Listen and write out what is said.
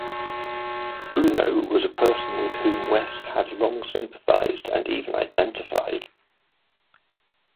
Bruno was a person with whom West had long sympathised and even identified.